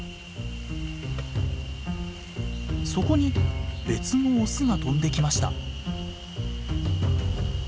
そこに別のオスが飛んできました。